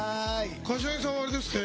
柏木さんはあれですって？